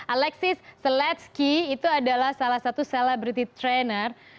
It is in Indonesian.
alexis seletski itu adalah salah satu celebrity trainer